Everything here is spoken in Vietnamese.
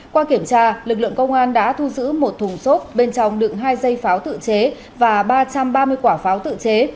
qua kiểm tra lực lượng công an đã thu giữ một thùng xốp bên trong đựng hai dây pháo tự chế và ba trăm ba mươi quả pháo tự chế